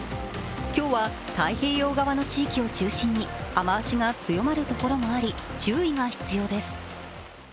今日は太平洋側の地域を中心に雨足が強まるところもあり注意が必要です。